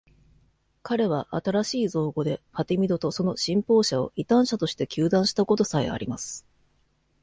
彼は新しい造語でファティミドとその信奉者を異端者として糾弾したことさえあります。